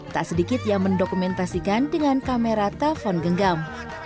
tak sedikit yang mendokumentasikan dengan kamera telpon genggam